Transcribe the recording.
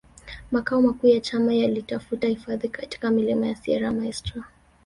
Makao makuu ya chama yalitafuta hifadhi katika milima ya Sierra Maestra